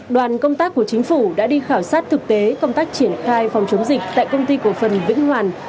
đoàn công tác của chính phủ đã đi khảo sát thực tế công tác triển khai phòng chống dịch tại công ty cổ phần vĩnh hoàn